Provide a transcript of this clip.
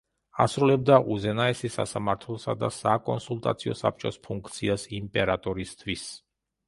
ასრულებდა უზენაესი სასამართლოსა და საკონსულტაციო საბჭოს ფუნქციას იმპერატორისთვის.